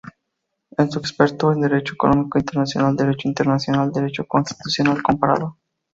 Es un experto en derecho económico internacional, derecho internacional y derecho constitucional comparado.